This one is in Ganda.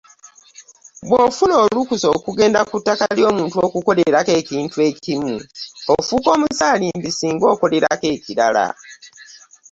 Bw’ofuna olukusa okugenda ku ttaka ly’omuntu okukolerako ekintu ekimu, ofuuka omusaalimbi singa okolerako ekirala.